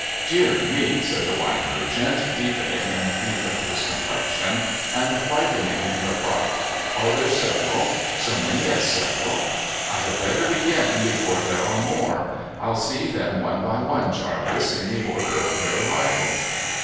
_' Dear me !' said the wine merchant, deepening in the pink of his complexion and whitening in the white, ' are there several ? So many as several ? I had better begin before there are more. I'll see them one by one, Jarvis, in the order of their arrival.'